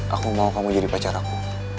aku mau kamu jadi pacar aku